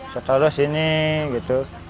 saya taruh sini gitu